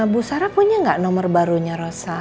bu sara punya gak nomor barunya rosa